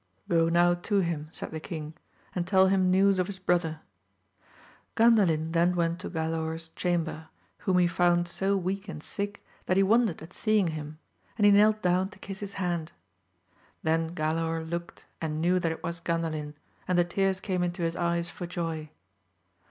Go now to him, said the king, and tell him news of his brother. Gandalin then went to Galaor*s chamber, whom he found so weak and sick that he wondered at seeii 138 AMADIS OF GAUL. him, and he knelt down to kiss his hand; then Galaor looked and knew that it was Gandalin, and. the tears came into his eyes for joy.